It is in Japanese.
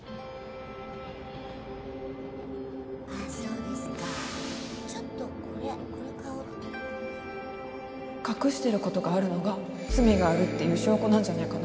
そうですかちょっとこれこれ香ってみてください隠してることがあるのが罪がある証拠なんじゃないかな